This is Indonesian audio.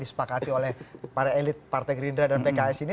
disepakati oleh para elit partai gerindra dan pks ini